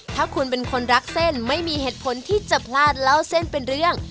ถ้าคุณเป็นคนรักเส้นไม่มีเหตุผลที่จะพลาดเล่าเส้นเป็นเรื่อง